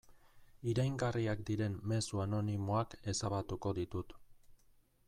Iraingarriak diren mezu anonimoak ezabatuko ditut.